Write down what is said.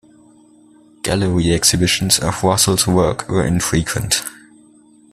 Gallery exhibitions of Russell's work were infrequent.